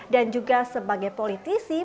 dan juga sebagai politisi